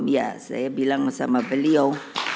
ya saya bilang sama beliau